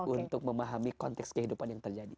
untuk memahami konteks kehidupan yang terjadi